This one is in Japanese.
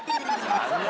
残念。